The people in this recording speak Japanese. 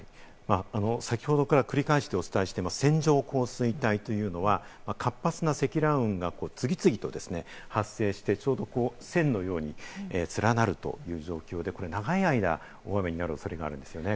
先ほどから繰り返してお伝えしていますが、線状降水帯というのは活発な積乱雲が次々と発生して、ちょうど線のように連なるという状況でこれ長い間、大雨になる恐れがあるんですよね。